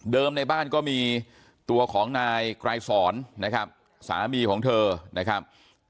ในบ้านก็มีตัวของนายไกรสอนนะครับสามีของเธอนะครับ